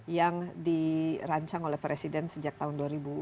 yang dirancang oleh presiden sejak tahun dua ribu sembilan belas